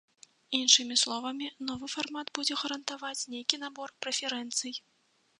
Іншымі словамі, новы фармат будзе гарантаваць нейкі набор прэферэнцый.